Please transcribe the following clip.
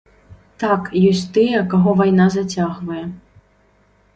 Так, ёсць тыя, каго вайна зацягвае.